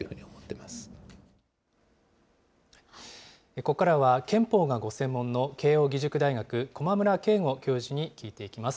ここからは憲法がご専門の慶應義塾大学、駒村圭吾教授に聞いていきます。